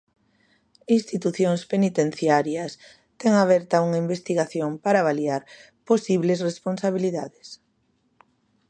Institucións penitenciarias ten aberta unha investigación para avaliar posibles responsabilidades.